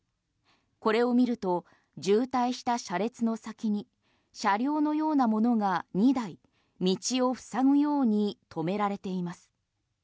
これを見ると渋滞した車列の先に車両のようなものが２台道をふさぐように止められています。